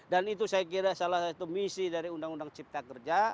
dan itu saya kira salah satu misi dari undang undang cipta kerja